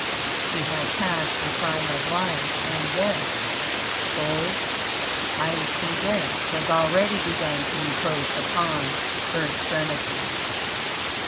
She has passed her prime of life, and death cold, icy death has already begun to encroach upon her extremities.